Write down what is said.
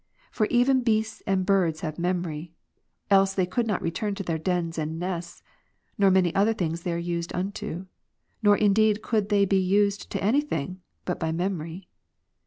For even beasts and birds have memory; else could they not return to their dens and nests, nor many other things they are used unto: nor indeed could they be used to any thing, but by memory.